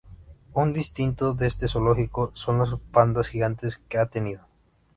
Un distintivo de este zoológico son los pandas gigantes que ha tenido.